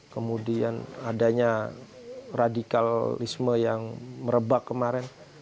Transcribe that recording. kemudian adanya radikalisme yang merebak kemarin